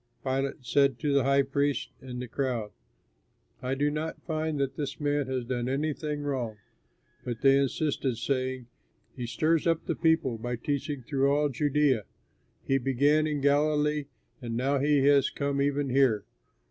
Pilate said to the high priests and the crowd, "I do not find that this man has done anything wrong." But they insisted, saying, "He stirs up the people by teaching through all Judea. He began in Galilee, and now he has come even here."